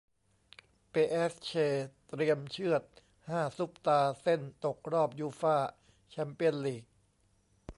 เปแอสเช เตรียมเชือด ห้า ซุปตาร์ เซ่นตกรอบยูฟ่า แชมเปี้ยนส์ ลีก